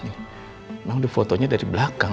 memang fotonya dari belakang